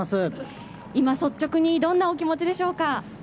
今、率直にどんなお気持ちでしょうか？